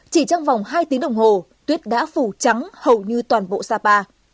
chỉ trong vòng hai tiếng đồng hồ tuyết đã phủ trắng hầu như toàn bộ sapa